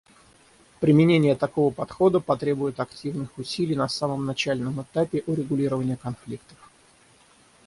Применение такого подхода потребует активных усилий на самом начальном этапе урегулирования конфликтов.